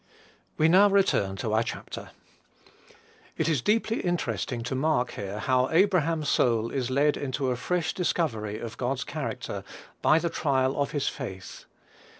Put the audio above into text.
We now return to our chapter. It is deeply interesting to mark here how Abraham's soul is led into a fresh discovery of God's character by the trial of his faith.